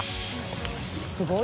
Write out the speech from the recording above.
すごい！